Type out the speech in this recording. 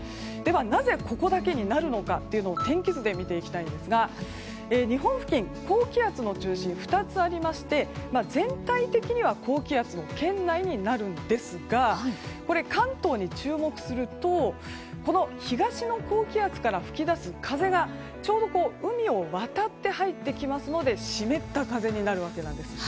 なぜここだけになるのか天気図で見ていきたいんですが日本付近、高気圧を中心に２つありまして、全体的には高気圧の圏内になるんですが関東に注目すると東の高気圧から吹き出す風がちょうど海を渡って入ってきますので湿った風になるわけなんです。